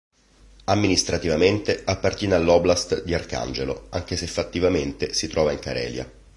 Amministrativamente appartiene all'Oblast' di Arcangelo, anche se fattivamente si trova in Carelia.